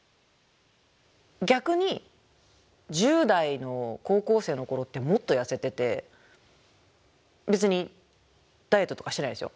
逆に１０代の高校生の頃ってもっと痩せてて別にダイエットとかしてないですよ。